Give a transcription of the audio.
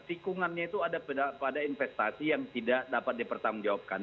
tikungannya itu ada pada investasi yang tidak dapat dipertanggungjawabkan